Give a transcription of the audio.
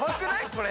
これ。